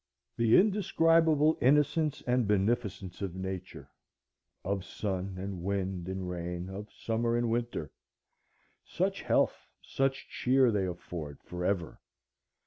The indescribable innocence and beneficence of Nature,—of sun and wind and rain, of summer and winter,—such health, such cheer, they afford forever!